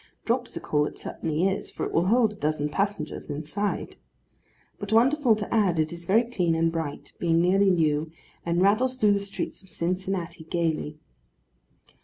Dropsical it certainly is, for it will hold a dozen passengers inside. But, wonderful to add, it is very clean and bright, being nearly new; and rattles through the streets of Cincinnati gaily.